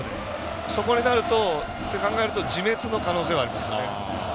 そこになると考えると自滅の可能性がありますね。